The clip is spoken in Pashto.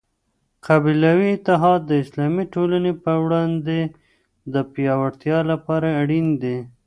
قبیلوي اتحاد د اسلامي ټولني په وړاندي د پياوړتیا لپاره اړین دی.